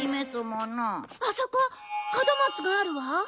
あそこ門松があるわ。